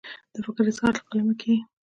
د فکر اظهار له قلمه کیږي.